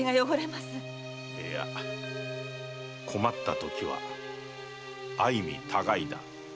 いや困ったときは相身互いだ。